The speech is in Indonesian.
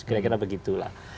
kira kira begitu lah